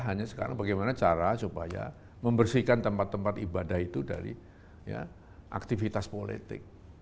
hanya sekarang bagaimana cara supaya membersihkan tempat tempat ibadah itu dari aktivitas politik